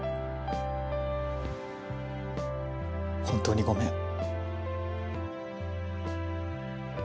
本当にごめん。